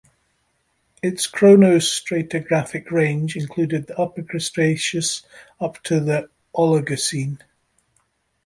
Its chronostratigraphic range included the Upper Cretaceous up to the Oligocene.